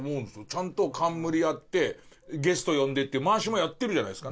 ちゃんと冠やってゲスト呼んでって回しもやってるじゃないですか。